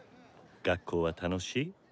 学校は楽しい？